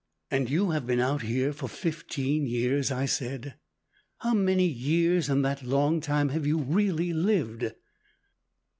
"And you have been out here for fifteen years?" I said. "How many years in that long time have you really lived?"